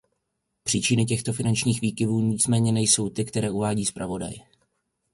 Příčiny těchto finančních výkyvů nicméně nejsou ty, které uvádí zpravodaj.